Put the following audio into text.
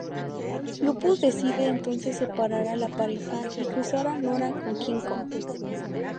Lupus decide entonces separar a la pareja y cruzar a Nora con King Kong.